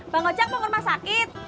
bang ojek mau ke rumah sakit